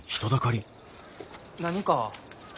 何か？